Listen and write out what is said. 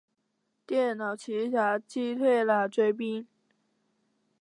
电脑奇侠击退了追兵。